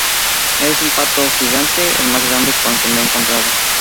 Es un pato gigante, el más grande con que me he encontrado.